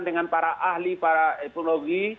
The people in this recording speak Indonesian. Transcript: dengan para ahli para epologi